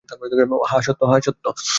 হ্যাঁ, সত্য।